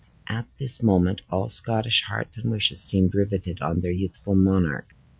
At this moment all Scottish hearts and wishes seemed riveted on their youthful monarch.